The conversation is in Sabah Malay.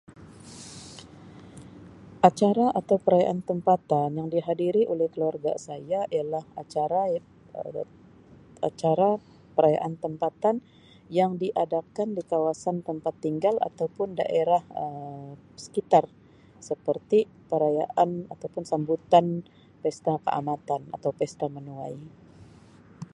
Acara atau perayaan tempatan yang dihadiri oleh keluarga saya ialah acara [unintelligible] acara perayaan tempatan yang diadakan dekat kawasan tempat tinggal atau pun daerah Um sekitar seperti perayaan atau pun sambutan Pesta Kaamatan atau Pesta Menuai.